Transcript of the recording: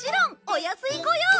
お安いご用！